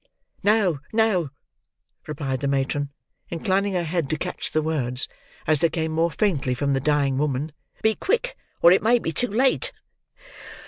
"No, no," replied the matron, inclining her head to catch the words, as they came more faintly from the dying woman. "Be quick, or it may be too late!"